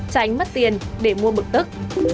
tránh mất tiền để mua bực tức